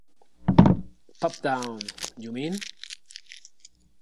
Pop down, you mean?